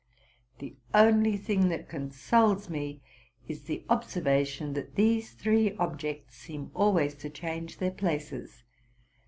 The only thing that consoles me is the observation, that these three objects seem always to change their places.